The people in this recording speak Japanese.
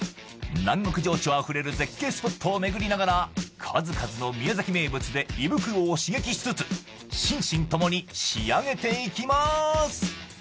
南国情緒あふれる絶景スポットをめぐりながら数々の宮崎名物で胃袋を刺激しつつ心身共に仕上げていきまーす